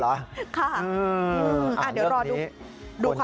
เดี๋ยวรอดูความคิดหน้า